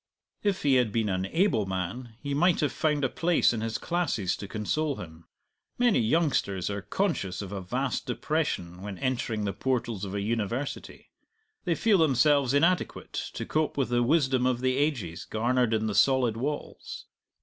If he had been an able man he might have found a place in his classes to console him. Many youngsters are conscious of a vast depression when entering the portals of a university; they feel themselves inadequate to cope with the wisdom of the ages garnered in the solid walls.